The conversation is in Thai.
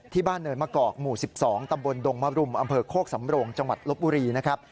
บ้านเนินมะกอกหมู่๑๒ตำบลดงมรุมอำเภอโคกสำโรงจังหวัดลบบุรีนะครับ